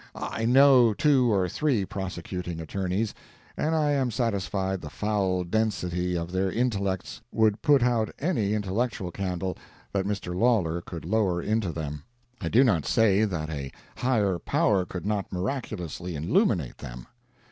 I know two or three prosecuting attorneys, and I am satisfied the foul density of their intellects would put out any intellectual candle that Mr. Lawlor could lower into them. I do not say that a Higher Power could not miraculously illuminate them.